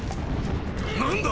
何だ⁉？